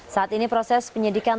saat ini proses penyedikannya